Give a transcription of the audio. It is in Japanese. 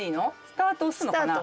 スタート押すのかな？